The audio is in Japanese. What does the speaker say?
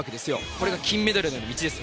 これが金メダルへの道です。